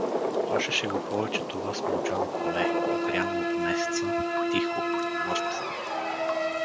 Плашеше го повече това смълчано поле, огряно от месеца, тихо, мъртво.